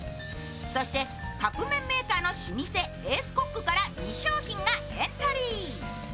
そして、カップ麺メーカーの老舗エースコックから２商品がエントリー。